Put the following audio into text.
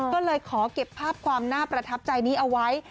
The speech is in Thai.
ก็เลยขอเก็บภาพความน่าประทับใจนี้เอาไว้